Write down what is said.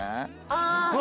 ああ！